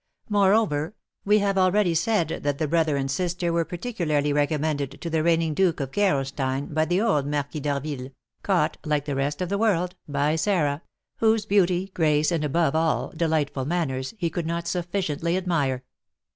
Moreover, we have already said that the brother and sister were particularly recommended to the reigning Duke of Gerolstein by the old Marquis d'Harville, caught, like the rest of the world, by Sarah, whose beauty, grace, and, above all, delightful manners, he could not sufficiently admire.